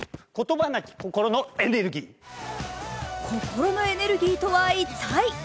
心のエネルギーとは一体？